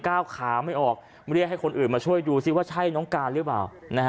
ก้าวขาไม่ออกเรียกให้คนอื่นมาช่วยดูซิว่าใช่น้องการหรือเปล่า